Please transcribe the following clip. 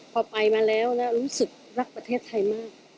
พอไปมาแล้วแล้วรู้สึกรักประเทศไทยมาก